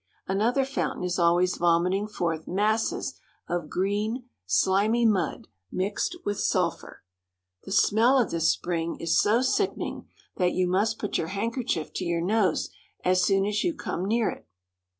Another fountain is always vomiting forth masses of green, slimy mud mixed with sulphur. The smell of this spring is so sickening that you must put your handkerchief to your nose as soon as you come near it.